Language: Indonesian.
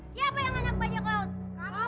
siapa yang anak bajak laut